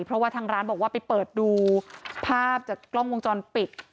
เพราะว่าทางร้านบอกว่าไปเปิดดูภาพจากกล้องวงจรปิด